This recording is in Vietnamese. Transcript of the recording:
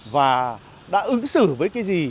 và đã ứng xử với cái gì